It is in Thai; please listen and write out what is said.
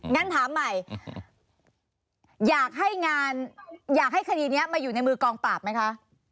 งั้นถามใหม่อยากให้งานอยากให้คดีนี้มาอยู่ในมือกองปราบไหมคะ